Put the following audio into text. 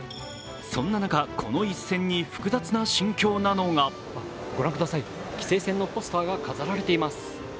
そんな中、この一戦に複雑な心境なのがご覧ください、棋聖戦のポスターが飾られています。